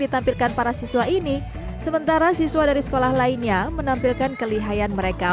ditampilkan para siswa ini sementara siswa dari sekolah lainnya menampilkan kelihayan mereka